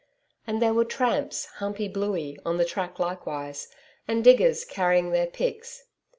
And there were tramps 'humping bluey' on the track likewise, and diggers carrying their picks.